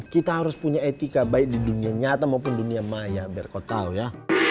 kita harus punya etika baik di dunia nyata maupun dunia maya berkota ya